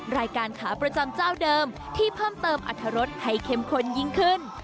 รายการขาประจำเจ้าเดิมที่เพิ่มเติมอรรถรสให้เข้มข้นยิ่งขึ้น